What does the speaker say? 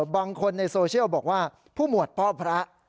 บางคนในโซเชียลบอกว่าผู้หมวดพ่อพระ